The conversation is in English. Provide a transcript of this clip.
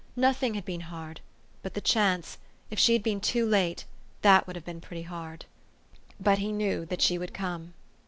Nothing had been hard but the chance if she had been too late, that would have been pretty hard. But he knew that she would come.